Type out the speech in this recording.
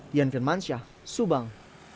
dian firmansyah subang